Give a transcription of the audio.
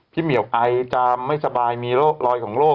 เหมียวไอจะไม่สบายมีรอยของโรค